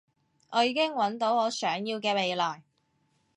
我已經搵到我想要嘅未來